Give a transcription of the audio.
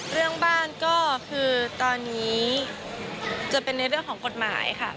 เรื่องบ้านก็คือตอนนี้จะเป็นในเรื่องของกฎหมายค่ะ